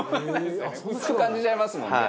薄く感じちゃいますもんね。